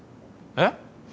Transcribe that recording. えっ？